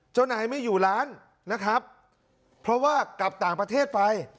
เจ้านายไม่อยู่ร้านนะครับเพราะว่ากลับต่างประเทศไป